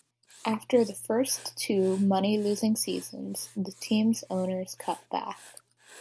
After the first two money-losing seasons, the team's owners cut back.